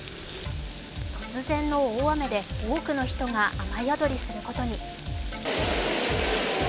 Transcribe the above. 突然の大雨で多くの人が雨宿りすることに。